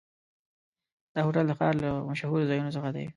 دا هوټل د ښار له مشهورو ځایونو څخه دی.